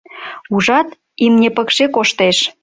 — Ужат, имне пыкше коштеш.